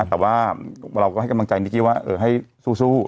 แต่ว่าเราก็ให้กำลังใจนิกกี้ว่าให้สู้